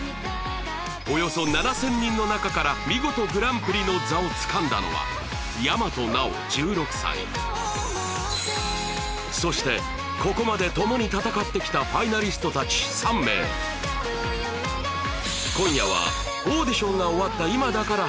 およそ７０００人の中から見事グランプリの座をつかんだのは大和奈央１６歳そしてここまでともに戦ってきたファイナリスト達３名今夜はオーディションが終わった今だから話せる彼女達の本心を